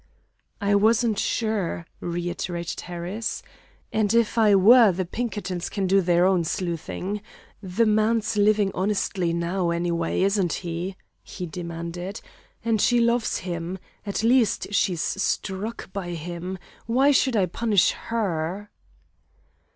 "I wasn't sure," reiterated Harris. "And if I were, the Pinkertons can do their own sleuthing. The man's living honestly now, anyway, isn't he?" he demanded; "and she loves him. At least she's stuck by him. Why should I punish her?"